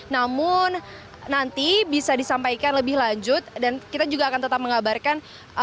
namun nanti bisa disampaikan lebih lanjut dan kita juga akan tetap mengabarkan